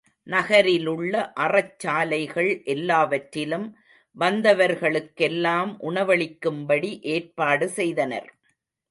நகரிலுள்ள அறச் சாலைகள் எல்லாவற்றிலும் வந்தவர்களுக்கெல்லாம் உணவளிக்கும்படி ஏற்பாடு செய்தனர்.